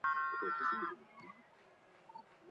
充分发挥主观能动性